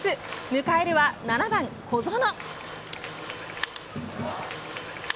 迎えるは７番小園。